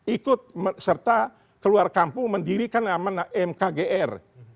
ikut serta keluar kampung mendirikan amanah mkgr